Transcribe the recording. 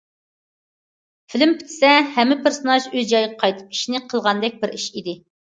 فىلىم پۈتسە ھەممە پېرسوناژ ئۆز جايىغا قايتىپ ئىشىنى قىلغاندەك بىر ئىش ئىدى.